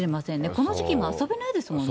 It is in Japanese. この時期、もう遊べないですもんね。